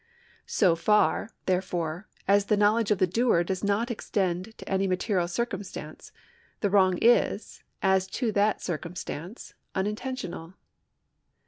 So far, therefore, as the knowledge of the doer does not extend to any material circumstance, the wrong is, as to that circum stance, unintentional.